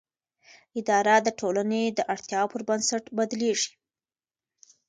اداره د ټولنې د اړتیاوو پر بنسټ بدلېږي.